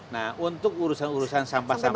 nah untuk urusan urusan sampah sampah